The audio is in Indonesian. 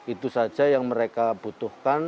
itu saja yang mereka butuhkan